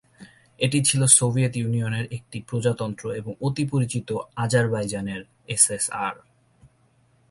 এটি ছিল সোভিয়েত ইউনিয়নের একটি প্রজাতন্ত্র এবং অতি পরিচিত আজারবাইজান এসএসআর।